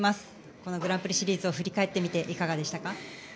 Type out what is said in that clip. このグランプリシリーズを振り返ってみていかがでしたか？